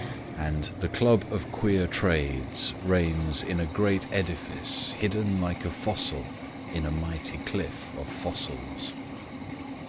And the Club of Queer Trades reigns in a great edifice hidden like a fossil in a mighty cliff of fossils.